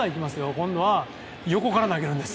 今度は横から投げるんです。